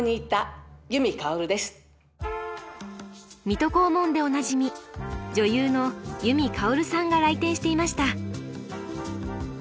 「水戸黄門」でおなじみ女優の由美かおるさんが来店していました。